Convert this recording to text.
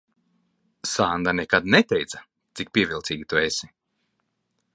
Sanda nekad neteica, cik pievilcīga tu esi.